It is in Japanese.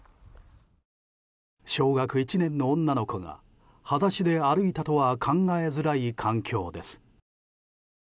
小学１年の女の子が裸足で歩いたとは考えづらい環境です。